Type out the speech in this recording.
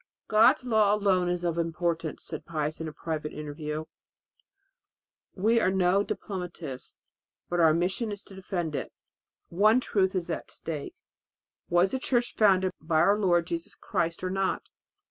"God's law alone is of importance," said Pius at a private interview. "We are no diplomatist, but our mission is to defend it. One truth is at stake: was the Church founded by our Lord Jesus Christ or not?